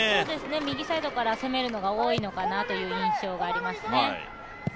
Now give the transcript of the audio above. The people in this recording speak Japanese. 右サイドから攻めるのが多いのかなという印象がありますね。